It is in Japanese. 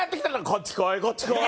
こっち来いこっち来い！